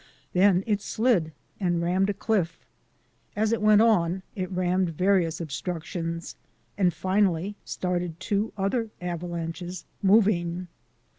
Then it slid and rammed a cliff. As it went on it ram med various obstructions and finally started two other avalanches moving.